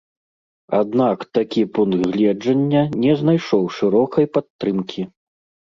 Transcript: Аднак такі пункт гледжання не знайшоў шырокай падтрымкі.